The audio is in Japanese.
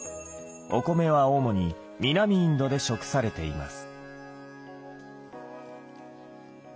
お米は主に南インドで食されています。